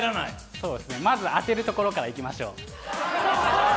そうですね、まず当てるところからいきましょう。